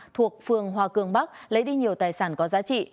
thuộc phường hòa cường bắc lấy đi nhiều tài sản có giá trị